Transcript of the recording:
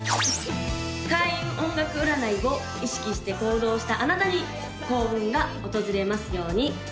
開運音楽占いを意識して行動したあなたに幸運が訪れますように！